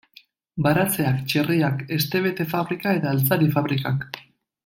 Baratzeak, txerriak, hestebete-fabrika eta altzari-fabrikak.